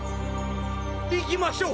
いきましょう！